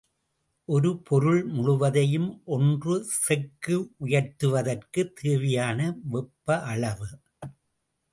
ஒரு பொருள் முழுவதையும் ஒன்று செக்கு உயர்த்துவதற்குத் தேவையான வெப்ப அளவு.